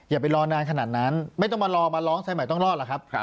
อย่าไปรอนานขนาดนั้นไม่ต้องมารอมาร้องสายใหม่ต้องรอดหรอกครับ